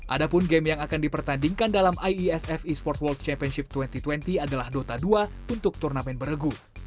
ada pun game yang akan dipertandingkan dalam iesf esports world championship dua ribu dua puluh adalah dota dua untuk turnamen beregu